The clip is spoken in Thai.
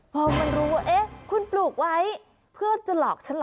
พอมันรู้ว่าเอ๊ะคุณปลูกไว้เพื่อจะหลอกฉันเหรอ